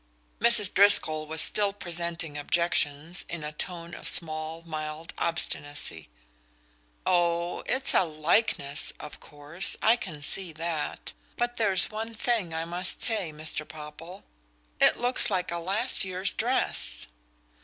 Mrs. Driscoll was still presenting objections in a tone of small mild obstinacy. "Oh, it's a LIKENESS, of course I can see that; but there's one thing I must say, Mr. Popple. It looks like a last year's dress."